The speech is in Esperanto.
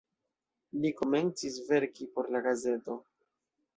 Li komencis verki por la gazeto.